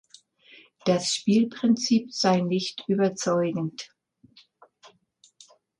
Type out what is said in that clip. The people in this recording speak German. Das Spielprinzip sei nicht überzeugend.